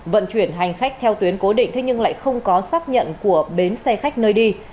vận chuyển hành khách theo tuyến cố định thế nhưng lại không có xác nhận của bến xe khách nơi đi